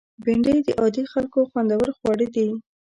بېنډۍ د عادي خلکو خوندور خواړه دي